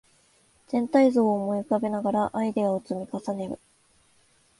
全体像を思い浮かべながらアイデアを積み重ねる